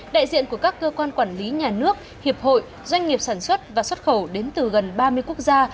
đại diện của các cơ quan quản lý nhà nước hiệp hội doanh nghiệp sản xuất và xuất khẩu đến từ gần ba mươi quốc gia